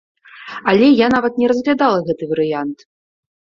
Але я нават не разглядала гэты варыянт!